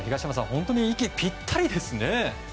本当に息がぴったりですね。